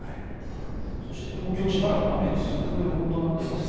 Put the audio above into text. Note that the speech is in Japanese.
そして東京しばらく雨が続く予報となっていますね。